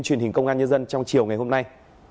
truyền hình công an nhân dân trong chiều ngày hôm nay